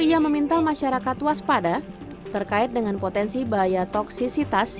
ia meminta masyarakat waspada terkait dengan potensi bahaya toksisitas